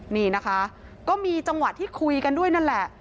นี่นะคะก็มีจังหวะที่คุยกันด้วยนั่นแหละ